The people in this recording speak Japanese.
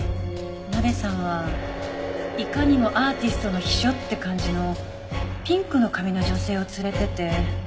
ナベさんはいかにもアーティストの秘書って感じのピンクの髪の女性を連れてて。